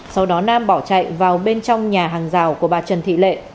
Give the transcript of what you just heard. sau đó nam bỏ chạy vào bên trong nhà hàng rào của bà trần thị lệ